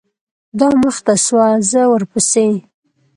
دا مخته سوه زه ورپسې.